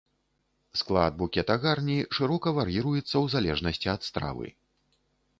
Склад букета гарні шырока вар'іруецца ў залежнасці ад стравы.